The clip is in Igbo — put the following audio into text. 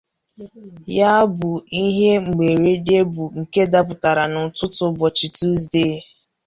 ya bụ ihe mberede bụ nke dapụtara n'ụtụtụ ụbọchị Tuzdee